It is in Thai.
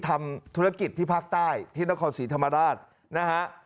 ทำธุรกิจที่ภาคใต้ที่นครศรีธรรมราชนะฮะ